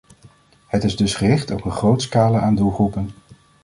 Het is dus gericht op een groot scala aan doelgroepen.